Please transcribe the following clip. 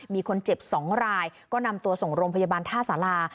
มีคนเจ็บ๒รายก็นำตัวส่งโรงพยาบาลท่าสารา